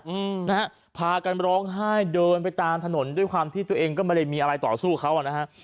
อืมนะฮะพากันร้องไห้เดินไปตามถนนด้วยความที่ตัวเองก็ไม่ได้มีอะไรต่อสู้เขาอ่ะนะฮะ